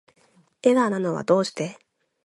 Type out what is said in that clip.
エラーなのはどうして